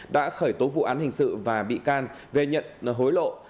đã khởi tố vụ án hình sự và bị can về nhận hối lộ